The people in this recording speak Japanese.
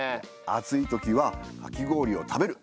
暑い時はかき氷を食べる！